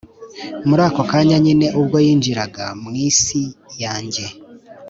muri ako kanya nyine ubwo yinjiraga mu isi yanjye,